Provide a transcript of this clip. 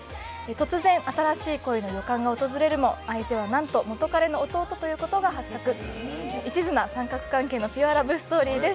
突然新しい恋の予感が訪れるも相手は何と元カレの弟ということが発覚一途な三角関係のピュアラブストーリーです